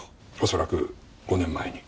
恐らく５年前に。